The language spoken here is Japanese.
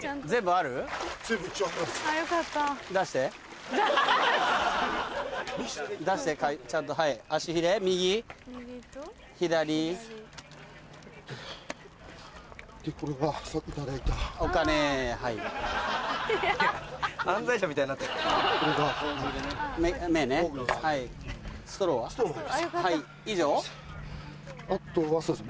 あとはそうです